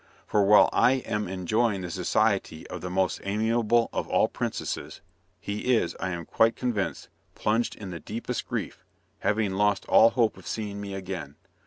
For, while I am enjoying the society of the most amiable of all princesses, he is, I am quite convinced, plunged in the deepest grief, having lost all hope of seeing me again.